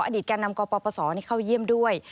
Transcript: อดิตแกนำกปสเข้าเยี่ยมด้วย